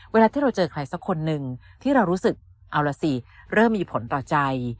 เวลาที่เราเจอใครสักคนหนึ่งที่เรารู้สึกเอาล่ะสิเริ่มมีผลต่อใจ